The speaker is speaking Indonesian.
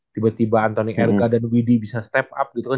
tiba tiba antoni erka dan widhi bisa step up gitu kan